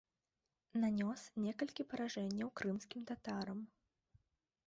Нанёс некалькі паражэнняў крымскім татарам.